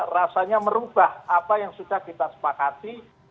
rasanya merubah apa yang sudah kita sepakati